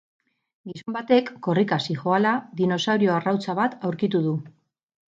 Gizon batek, korrika zihoala, dinosaurio arrautza bat aurkitu du.